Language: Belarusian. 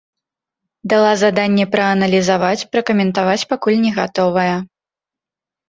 Дала заданне прааналізаваць, пракаментаваць пакуль не гатовая.